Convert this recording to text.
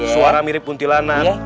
suara mirip kuntilanak